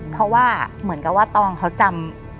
เพราะว่าเหมือนกับว่าตองเขาจำ